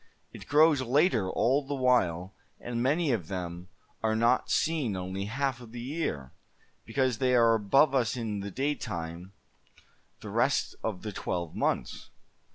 It grows later all the while, and many of them are not seen only half of the year, because they are above us in the daytime the rest of the twelve months.